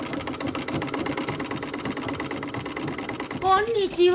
こんにちは。